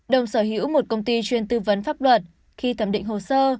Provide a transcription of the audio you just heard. đồng sở hữu một công ty chuyên tư vấn pháp luật khi thẩm định hồ sơ